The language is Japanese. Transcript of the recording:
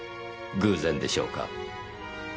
偶然でしょうか？